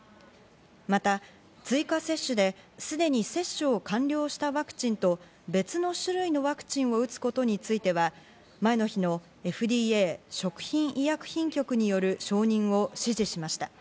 また追加接種ですでに接種を完了したワクチンと別の種類のワクチンを打つことについては、前の日のＦＤＡ＝食品医薬品局による承認を支持しました。